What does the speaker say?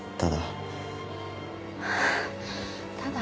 ただ。